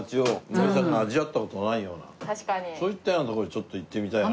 そういったようなとこにちょっと行ってみたいな。